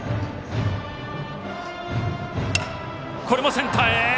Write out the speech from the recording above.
センターへ。